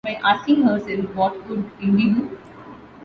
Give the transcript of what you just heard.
By asking herself What would Indy do?